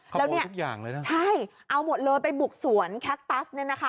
แล้วเนี่ยทุกอย่างเลยนะใช่เอาหมดเลยไปบุกสวนแคคตัสเนี่ยนะคะ